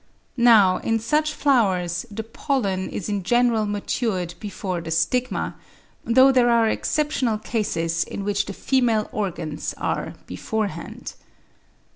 Now in such flowers, the pollen is in general matured before the stigma, though there are exceptional cases in which the female organs are beforehand.)